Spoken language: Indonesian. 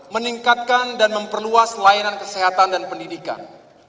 meningkatkan dan memperluas layanan kesehatan dan pendidikan